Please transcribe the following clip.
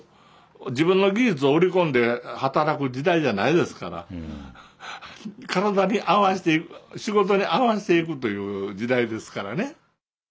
自分の技術を売り込んで働く時代じゃないですから体に合わせて仕事に合わせていくという時代ですからね。